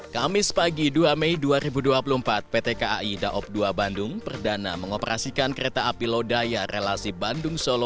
kamis pagi dua mei dua ribu dua puluh empat pt kai daob dua bandung perdana mengoperasikan kereta api lodaya relasi bandung solo